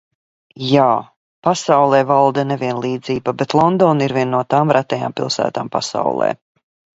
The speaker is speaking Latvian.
Jā, pasaulē valda nevienlīdzība, bet Londona ir viena no tām retajām pilsētām pasaulē.